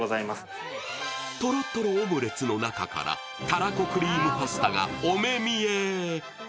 トロトロのオムレツの中からたらこクリームパスタがお目見え。